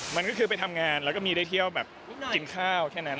มันก็คือไปทำงานแล้วก็มีได้เที่ยวแบบกินข้าวแค่นั้น